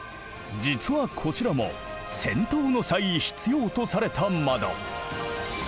実はこちらも戦闘の際必要とされた窓。